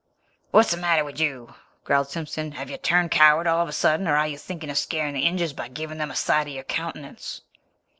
"What's the matter with you?" growled Simpson. "Have you turned coward all of a sudden, or are you thinking of scaring the Injuns by giving them a sight of your countenance?"